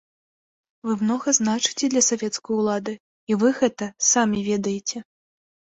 Вы многа значыце для савецкай улады, і вы гэта самі ведаеце.